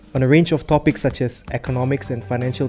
di sebuah jenis topik seperti ekonomi dan pasar finansial